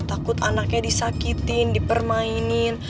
takut anaknya disakitin dipermainin